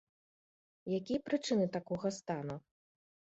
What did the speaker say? Якія прычыны такога стану?